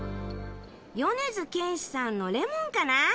米津玄師さんのレモンかな。